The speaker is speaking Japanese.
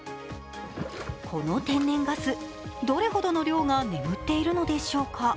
この天然ガス、どれほどの量が眠っているのでしょうか。